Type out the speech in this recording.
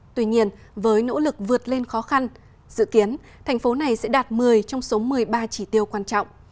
tuy nhiên với nỗ lực vượt lên khó khăn dự kiến thành phố này sẽ đạt một mươi trong số một mươi ba chỉ tiêu quan trọng